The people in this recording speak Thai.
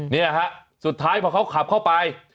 นี่นะครับสุดท้ายพอเขาขับเข้าไป